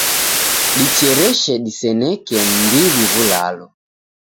Dichereshe diseneke m'mbiw'i w'ulalo.